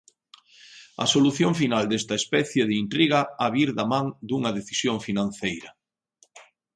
A solución final desta especie de intriga ha vir da man dunha decisión financeira.